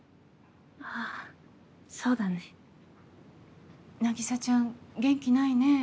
あそうだね。凪沙ちゃん元気ないね。